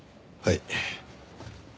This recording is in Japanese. はい。